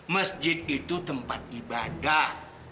masjid itu tempat ibadah